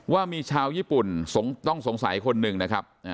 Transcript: ว่ามีชาวญี่ปุ่นต้องสงสัยคนหนึ่งนะครับ